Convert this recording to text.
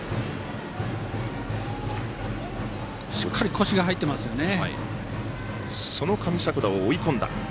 しっかり腰が入っていますよね。